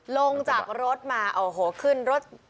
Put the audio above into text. ลงจากรถมาโอ้โหขึ้นรถ